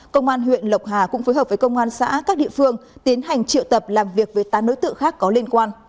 công an huyện lộc hà cũng phối hợp với công an xã các địa phương tiến hành triệu tập làm việc với tám đối tượng khác có liên quan